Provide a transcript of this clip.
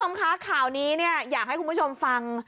คุณผู้ชมคะข่าวนี้เนี่ยอยากให้คุณผู้ชมฟัง